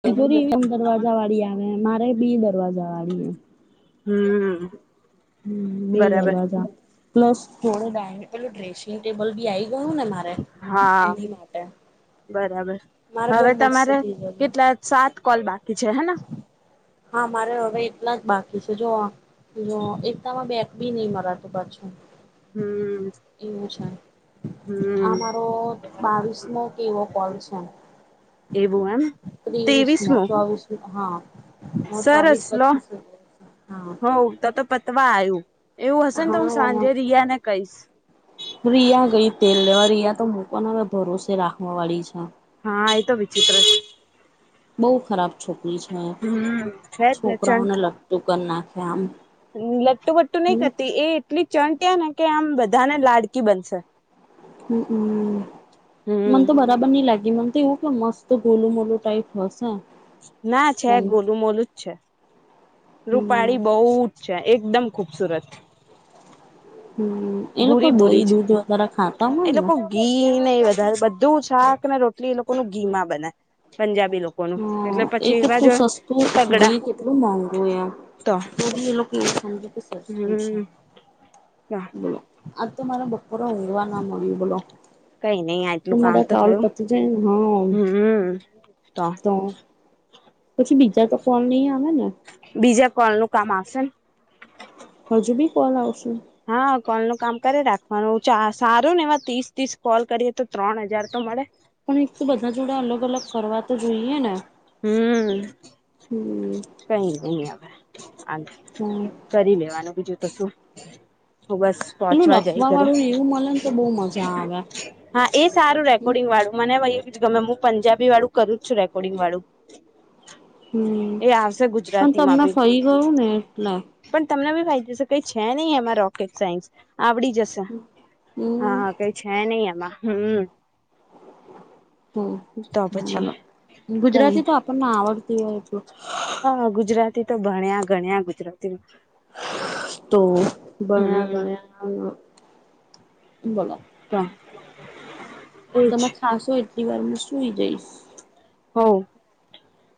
તીજોરી એવી એમ દરવાજા વાળી આવે મારે બી દરવાજા વાળી હમ્મ. હમ, બે દરવાજા, પ્લસ થોડે બેન્ડ પેલું ડ્રેસિંગ ટેબલ બી આઈ ગયું ને મારે હા એની માટે. બરાબર મારે બહુ હવે મસ્ત તમારે તિજોરી કેટલા સાત કોલ બાકી છે હેના. હા મારે હવે એટલા જ બાકી છે જો જો એકતામાં બે બી નહી મરાતુ પાછું હમ એવું છે. હમ આમારો બાવીસમો કે એવો કોલ છે. એવું એમ ત્રેવીસમો, ચોવીસમો હા. હા સરસ ચોવીસ લો. પચીસ હા હવ તો તો પતવા આયુ. હન, રિયા ગઈ તેલ લેવા. રિયા તો એનામાં ભરોસે રાખવાવાળી છે. હા, એ તો વિચિત્ર બઉ ખરાબ છોકરી છે. હમ છે જ ને ચંટ છોકરાઓને લગતું કર નાખે આમ. લટ્ટુ બટ્ટુ નઈ હમ કરતી, એ એટલી ચંટ હેને કે આમ બધાને લાડકી બનશે. હમમ, હમ મને તો બરાબર ની લાગ મન તો એવું કે મસ્ત ગોલું-મોલુ ટાઈપ હશે. ના છે. પણ ગોલું-મોલું જ છે. હમ રૂપાળી બઉ જ છે, એકદમ ખુબસુરત. હમ એ લોકો દહી ભૂરી-ભૂરી છ. દૂધ વધારે ખાતા હોય એ ને લોકો ગી ને એ વધારે બધું શાકને રોટલી એ લોકોનું ઘીમા બને. પંજાબી લોકોનું એટલે હમ, એ પછી એવા જ કેટલું હોય સસ્તું, તગડા ઘી કેટલું મોઘું એમ. તો તોબી એ લોકો એવું સમજે કે સસ્તું છે હમ એમ. [unintelligible] બોલો. આજ તો મારા બપોરે ઊંઘવા ના મળ્યું બોલો. કઈ નઈ તો આટલું કામ મારા કાલ થયું પતિ જાયન. હન. હમ તો. પછી બીજા તો કોલ નઈ આવે ને. બીજા કોલ નું કામ આવશે ને હજુ બી કોલ આવશે હા, કોલનો કામ કરે રાખવાનું. ચા સારું ન એવા ત્રીસ-ત્રીસ કોલ કરીએ, તો ત્રણ હજાર તો મળે. પણ એક તો બધા જોડે અલગ-અલગ કરવા તો જોઈએ ને. હમ, હમ કઈ નઈ અવે. શાંતિ. કરી લેવાનું બીજું તો શું. તો બસ પેલું પોંચવા જ આઈ લખવા ઘરે. વાળું એવું મળે ને તો બહુ મજા આવે હા એ સારું રેકોર્ડિંગ વાળું મને. ગમે હું પંજાબી વાળું કરું જ છું રેકોર્ડિંગ વાળું. હમ એ આવશે પણ ગુજરાતી માં તમને બી ફઈ ગયું ને એટલે. પણ તમને બી ફાઈશે કઈ છે નહી એમાં રોકેટ સાયન્સ. આવડી જશે હમ હા કઈ છે નઈ એમાં હમ. તો હમ પછી બોલો કઈ ગુજરાતી તો આપણને આવડતી હોય એટલું. હા ગુજરાતી તો ભણ્યા ગણ્યા ગુજરાતીમાં તો ભણ્યા હમ ગણ્યા બોલો તો એજ તમારે ખાસ હોય. થોડી વારમાં શુંઈ જઇસ. હો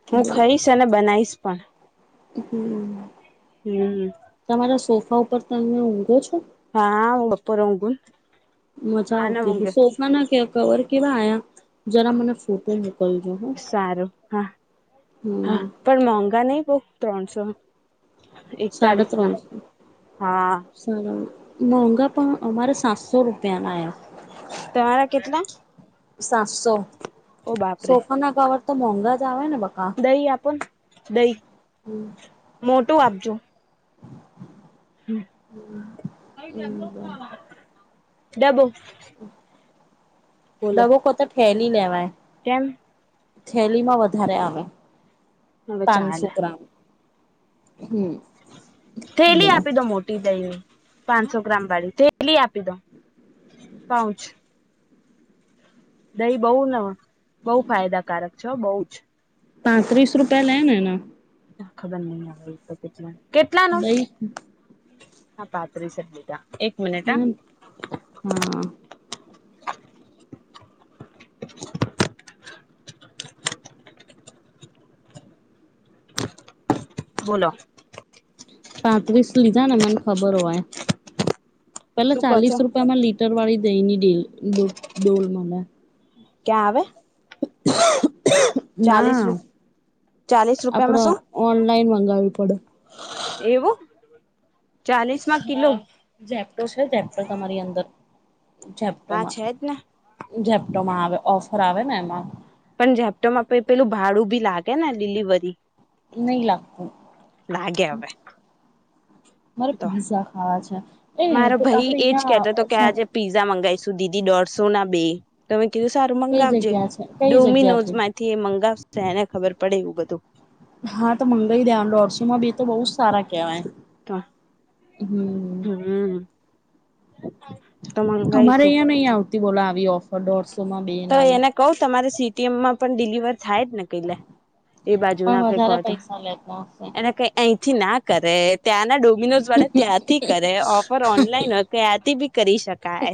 હું ખાઈશ અને બનાઈશ પણ. હમ. હમ. ખ તો ઉપર તમને ઊંઘો છો? હા હું ઉપર ઊંઘુન. મજા આવતી હશે સોફા ના કે કવર કેવા આયા? જરા મને ફોટો મોકલજો હો. સારું હા હા પણ મોંઘા નહી બહું ત્રણસો. સાડા એકતાળીસ ના ત્રણસો હા સાડા મોંઘા પણ અમારે સાતસો. સો રૂપિયાન આયા. તમારા કેટલા સાતસો. ઓ બાપરે સોફાના કવર તો મોંઘા જ આવે ને. બકા દહી આપો દહી મોટું આપજો. [inaudible] હમ હમ. ડબો. દબો કો તો ઠેલી લેવાય. તેમ. થેલીમાં વધારે આવે હવે પાનસો ચાલે ગ્રામ. હમ થેલી બોલો આપી દો મોટી દઈ પાંચસો ગ્રામ વાળી થે થેલી આપી દો પાઉચ. દહી બહુ ન બહુ ફાયદાકારક છે બહુ જ. પાંત્રીસ રૂપિયા લેનએના ખબર નહી આવે તો પજ નઈ. હા પાત્ર શદીતાા. હમ હા. બોલો. પાંત્રીસ લીધા ને મને ખબર હોય. પેલા શું કહો છો ચાલીસ રૂપિયામાં લીટર વાળી દહીંની ડેલ ડોલ ડોલ મલે. ક્યાં આવે. ચાલીસ ના. રૂપ ચાલીસ આપડ રૂપિયામાં શું ઓનલાઈન મંગાવી પડ. એવું ચાલીસમાં કિલો હા ઝેપટો છે ઝેપ્ટો તમારી અંદર. હા ઝપ્ટોમાં છે જ ને ઝેપ્ટોમાં આવે ઓફર આવે ને એમાં. પણ ઝેપટામાં પહી પેલું ભાડું ભી લાગે ને ડિલિવરી. નહી લાગતું. લાગે હવે મારે તો પીઝા ખાવા છે. એ મારો આપડે ભઈ એજ કેતો તો કે અહિયાં આજે પીઝા મંગાઈસુ દીદી દોઢસો ના બે તમે કીધું સારું કઈ મંગાવજે જગ્યા છે કઈ ડોમિનોઝ જગ્યાથી માંથી એ મંગાવશે એને ખબર પડે એવું બધું. હા તો મંગાઈ દે દોઢસોમાં બે તો બહુ સારા કેવાય. તો હમ. હમ તો અમારે મંગાઈશું અહં નહી આવતી બોલા આવી ઓફ. તો એને કઉ તમારે સીટીએમમાં પણ ડિલિવર. થાય જ ને ક લ એ બાજુ પણ ના ક ક વધારે તો. પૈસા લેતા હશે. એને ક અહીંથી ના કરે ત્યાંના ડોમિનોઝ વાળા ત્યાંથી કરે ઓફર ઓનલાઈન. કે આથી બી કરી શકાય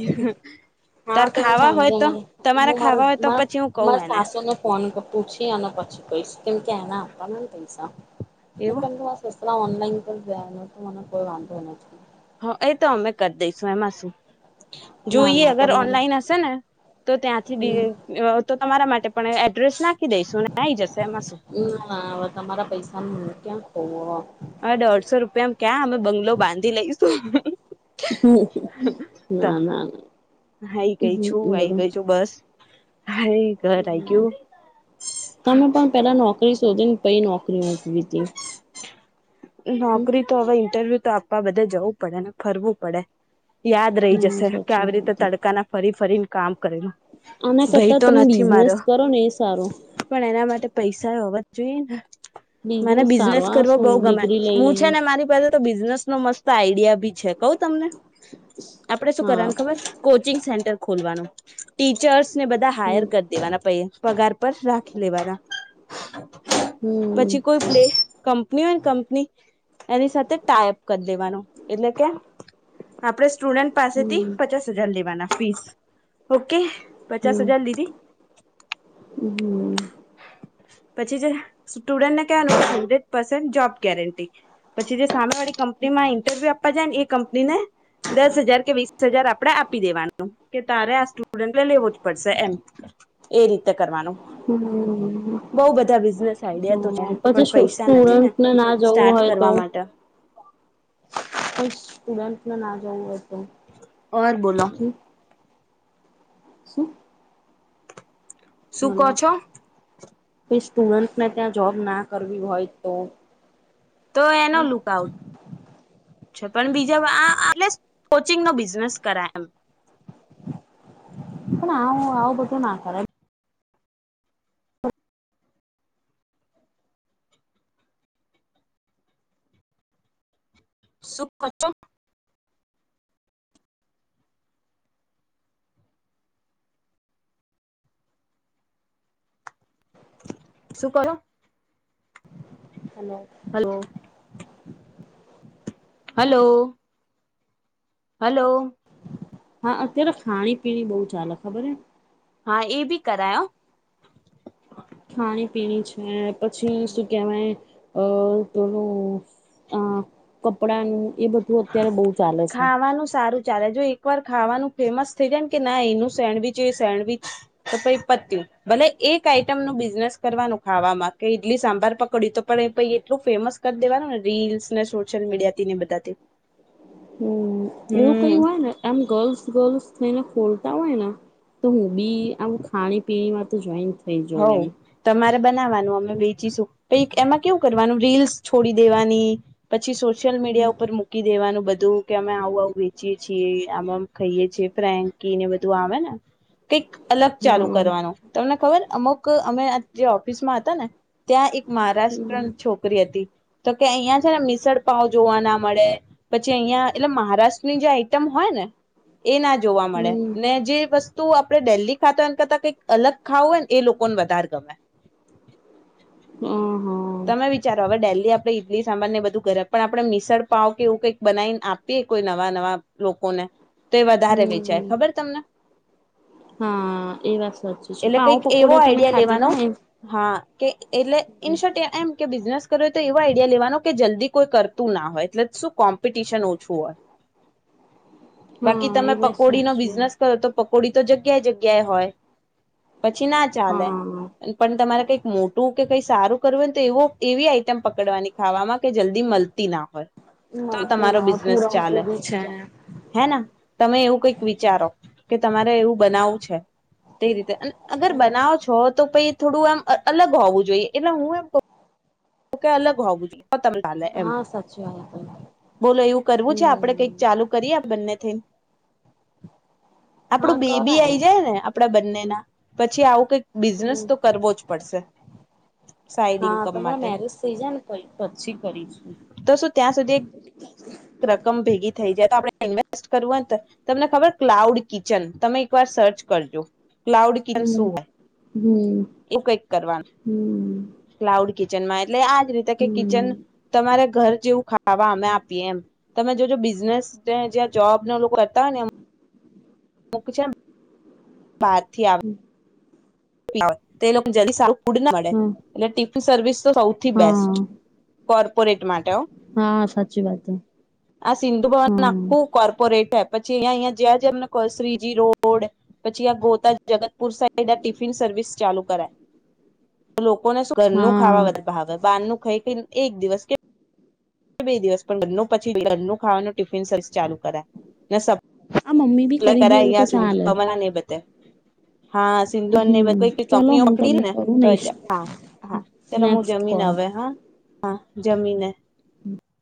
તાર હા તો હું ખાવા સાંજે હોય. તો તમારે હું મારા ખાવા હોય તો પછી હું કઉ મારા એને સાસુને ફોન પૂછી અને પછી કહીશ. કેમ કે આના આપને પૈસાો. એવું એ ઓન વાંધો. હ એ તો અમે કરી દઈશું એમાં શું ના જોઈએ ના અગર તમારે ઓનલાઈન હશે ને. તો ત્યાંથી બ હમ તો તમારા માટે પણ એડ્રેસ નાખી દઈશું અને આ આવી જશે એમાં શું. વે તમારા પૈસા. ઓ. હ દોઢસો રૂપિયામાં ક્યાં અમે બંગલો બાંધી લઈશું. તો ના ના ના આઈ ગઈ છું હ આઈ બરો. ગઈ છું બસ હા ઘર આઈ ગયું તમે પણ પેલા નો. નોકરી શોધીને પ નોકરી મૂકવી હતી. નોકરી તો હવે ઇન્ટરવ્યુ તો આપવા બધે જવું પડે ને ફરવું પડે. યાદ રહી ના જશે કે સાચી આવી રીતે વાત તડકા ના ફરી ફરીને કામ. આના ભાઈ કરતા તો તમે નથી બિઝનેસ મારો કરો ને એ સારો પણ એના માટે પૈસા. જોઈ મને બિઝનેસ સારો આ કર બઉ શું ગમે. ડિગ્રી લઈ હું છે લઈને ને મારી પાસે તો બિઝનેસ નો મસ્ત આઈડિયા ભી છે કઉ તમને. આપડે શું હા કરવાનું ખબર કોચિંગ સેન્ટર ખોલવાનું ટીચર્સ. ને બધા હાયર હમ કરી દેવાના પ પગાર પર રાખી લેવાના. હમ પછી કોઈ પ્લે કંપની હોય ને કંપની. એની સાથે ટાયપ કરી દેવાનો એટલે કે આપણેે. સ્ટુડન્ટ પાસેથી હમ પચાસ હજાર લેવાના ફીસ ઓકે. પચાસ હમ હજાર લીધી હમ. પછી જે સ્ટુડન્ટને કહેવાનું હંડ્રેડ પર્સેન્ટ જોબ ગેરંટી પછી જે. સાામે વાળી કંપનીમાં ઇન્ટરવ્યુ આપવા જાય ને એ કંપની ને. દસ હજાર કે વીસ હજાર આપડે આપી દેવાનું કે તારે આ સ્ટુડન્ટ લ લેવો જ પડશે એમ. એ રીતે કરવાનું. હમ બહુ બધા બિઝનેસ આઈડિયા તો હમ છે પણ પછી પૈસા નથી ને સ્ટુડન્ટને ના. જવું સ્ટાર્ટ હોય તો કરવા માટે કોઈ સ્ટુડન્ટને ના જવું હોય. તો ઑર બોલો. શું. શું કહ છો. કે સ્ટુડન્ટને ત્યાં જોબ ના કરવી હોય તો. તો એનો લુક આઉટ છે પણ બીજા આ. કોચિંગ ન બિઝનેસ કરાય એમ. પણ આવું આવું બધું ના કર. સુખખચો. શું કરો. હલો. Hello hello. હલો. હા અત્યારે ખાણી પીણી બહુ ચાલે ખબર હ. હા એ બી કરાયો. હ પછી શું કેહેવાય અ તોોનું. અ કપડાનું એ બધું અત્યારે બહુ ચાલે છે. ખાવાનું સારું ચાલે જો એક વાર ખાવાનું ફેમસ થઇ જને કે ના એનું સેન્ડવિચ એ સેન્ડવિચ તો પછ પતયુ. ભલે એક આઈટમ નું બિઝનેસ કરવાનું ખાવામાં કે ઈડલી સાંભાર પકડ્યું તો પણ એટલું ફેમસ. મસ્ત કરી દેવાનું ને રીલ્સ ને સોશિયલ મીડિયા ને બધા. હમ્મ એવું કયું હોય ને એમ ગર્લ્સ ગર્લ્સ. થને ખોલતા હોય ને તો હું બી આવું ખાણી પીણી માં તો જોઈ. હ તમારે બનાવાનું અમે બેેચીશું પ એમાં કેવું કરવાનું રીલ્સ છોડી દેવાની પછી સોશિયલ મીડિયા ઉપર મૂકી દેવાનું. બધું કે અમે આવું આવું વેચીએ છીએ આમાં ખાઈએ છીએ ફ્રેન્કી ને બધું આવે ને. કઈક અલગ ચાલુ હા કરવાનું તમને ખબર અમુક અમે જે ઓફિસમાં હતા ને. ત્યાં એક હમ મહારાષ્ટ્રન છોકરી હતી. તો કે અહિયાં છે ને મીસળપાવ જોવા ના મળે પછી અહિયાં એટલે મહારાષ્ટ્રની જે આઈટમ હોય ને. [unintelligible] એ ના જોવા મળે હમ ને જે વસ્તુ આપડણે ડેલી ખાતા હોય એમ કરતા કંઈક અલગ ખાવું હોય ને. એ લોકોને વધારે ગમે હ હા તમે વિચારો હવે ડેલી. ઈડલી સાંભર ને બધું ઘરે પણ આપણે મિશળ પાવ કે એવું કઈક બનાવીને આપીએ કોઈ નવા નવા લોકોને. તો એ વધારે હમ વેચાય ખબર તમને. હા એ વાત સાચી છે પણ એટલે કંઈક આવું એવો આઈડિયા લેવાનો હા એટલે ઇનશોર્ટ એ એમ કે બિઝનેસ કર હોય તો એવો આડિયા લેવાનો કે જલ્દી કોઈ કરતું ના હોય એટલે શું કોમ્પિટિશન ઓછું હોય. [inaudible] બાકી હા તમે એ વાત પકોડી નો સાચી બિઝનેસ કરો તો પકોડી તો જગ્યાએ જગ્યાએ હોય. પછી ના ચાલે હા પણ તમારે કઈક મોટું. કે કઈ સારું કરવું હોને તો એવ એવી આઈટમ પકડવાની ખાવામાં કે જલ્દી મળતી ના હોય. તો મળતી તમારો ના બિઝનેસ ચાલે પૂરણપૂરી છે હેના તમે એવું કઈક વિચારો. કે તમારે એવું બનાવું છે તે રીતે અગર બનાવો છો. તો પછ થોડું આમ અલગ હોવું જોઈએ એટલે હું એમ કહું તો ક અલગ હો બુ. હા સાછે. બોલો એવું કરવું છે આપડે કઈક ચાલુ કરીએ બંને થયન હા આપડું બેબી કરાય આઈ જાય ને આપડા બંને ના પછી આવું. કઈક બિઝનેસ હમ તો કરવો જ પડશે સાઈડ ઇન્કમ માટે. થય જાને પછી કરીશું. તો શું ત્યાં સુધી આપડ ઇન્વેસ્ટ કરવું હોય તો તમને ખબર ક્લાઉડ કિચન તમે એક વાર સર્ચ કરજો. ક્લાઉડ કિચન હમ શું હોય હમ એવું કઈક કરવાનું હમ ક્લાઉડ કી કિચનમાં એટલે આજ રીતે કે કિચન હમ તમારે ઘર. જેવું ખાવા અમે આપીએ એમ તમે જોજ બિઝનેસ જ્યાં જોબ ના લોકો કરતા હોય ને. લોક છે બાર થી આવે. [unintelligible] ફ પડે હા એટલે ટિફિન સર્વિસ તો સૌથી બેસ્ટ હા કોર્પોરેટ માટે. હા સાચી વાત હ આ સિંધુ ભવન હા આખું કોર્પોરેટ. પછી અહયા અહંયા જ્યાં જ્યાં cross G road Shriji road પછી આ Gota Jagatpur side. Tiffin service service ચાલુ કરાય તો લોકોને ઘરનું હા ખાવા બહાર ન ખાઈ. એક દિવસ કે બે દિવસ પણ ઘરનું પછી ઘરનું ખાવાનું ટિફિન સર્વિસ ચાલુ કરાય. આ મમ્મી બી કરી દે એવું તો ચાલે [unintelligible] હા સિંધુન હમ નેધઈ ચલો કંપની હું પકડી તમને ને કરું તો નેક્સ્ટ હા હા હ નેક્સ્ટ જમીન કોલ હવે હા હા જમીને